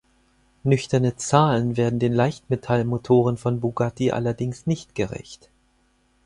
Nüchterne Zahlen werden den Leichtmetall-Motoren von Bugatti allerdings nicht gerecht.